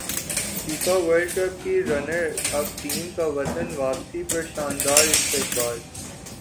FIFA World cup کی runner up team کا وطن واپسی پر شاندار استقبال